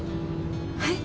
はい？